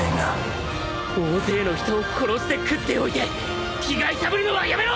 「大勢の人を殺して喰っておいて被害者ぶるのはやめろ！」